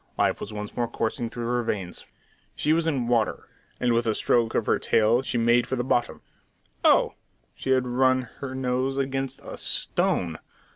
Life was once more coursing through her veins. She was in water, and with a stroke of her tail she made for the bottom. Oh! She had run her nose against a "stone!"